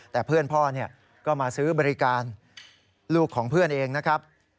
แต่เพื่อนพ่อก็มาซื้อบริการลูกของเพื่อนเองนะครับ